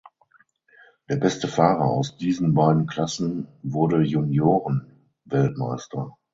Der beste Fahrer aus diesen beiden Klassen wurde Juniorenweltmeister.